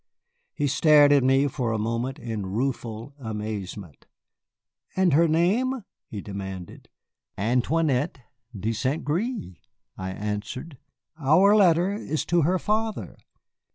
He stared at me for a moment in rueful amazement. "And her name?" he demanded. "Antoinette de Saint Gré," I answered; "our letter is to her father."